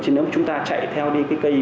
chứ nếu mà chúng ta chạy theo đi cái cây